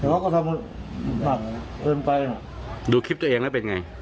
แต่ว่าก็ทำหนักเกินไปดูคลิปตัวเองแล้วเป็นไง